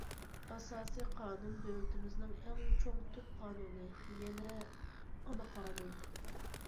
ئاساسى قانۇن دۆلىتىمىزنىڭ ئەڭ چوڭ تۈپ قانۇنى، يەنى ئانا قانۇن.